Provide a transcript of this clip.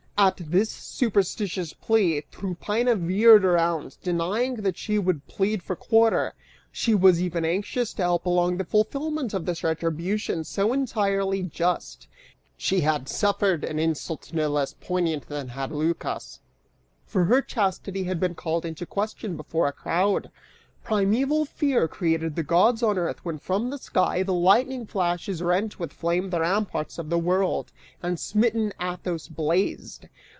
At this superstitious plea Tryphaena veered around; denying that she would plead for quarter, she was even anxious to help along the fulfillment of this retribution, so entirely just: she had herself suffered an insult no less poignant than had Lycas, for her chastity had been called in question before a crowd. Primeval Fear created Gods on earth when from the sky The lightning flashes rent with flame the ramparts of the world, And smitten Athos blazed!